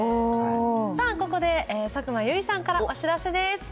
さあ、ここで佐久間由衣さんからお知らせです。